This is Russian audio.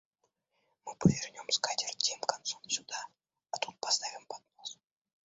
Мы повернем скатерть тем концом сюда, а тут поставим поднос.